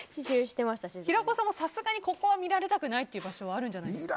平子さんも、さすがにここは見られたくない場所はあるんじゃないですか。